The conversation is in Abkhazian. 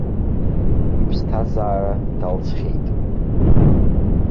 Иԥсҭазаара далҵхьеит.